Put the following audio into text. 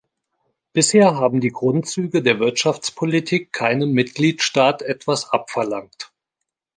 Bisher haben die Grundzüge der Wirtschaftspolitik keinem Mitgliedstaat etwas abverlangt.